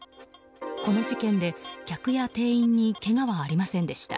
この事件で、客や店員にけがはありませんでした。